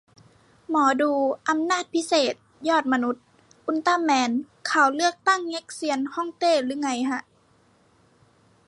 หมอดู อำนาจพิเศษ ยอดมนุษย์ อุลตร้าแมน ข่าวเลือกตั้งเง็กเซียนฮ่องเต้รึไงฮะ